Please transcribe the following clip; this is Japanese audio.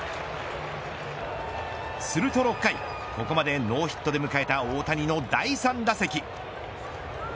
すると６回、ここまでノーヒットで迎えた大谷の第３打席。